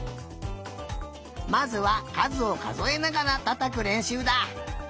まずはかずをかぞえながらたたくれんしゅうだ。